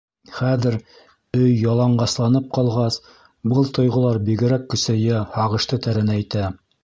Хәҙер, өй яланғасланып ҡалғас, был тойғолар бигерәк көсәйә, һағышты тәрәнәйтә.